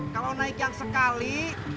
kalau naik yang sekali